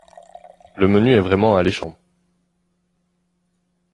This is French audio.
Le menu est vraiment alléchant.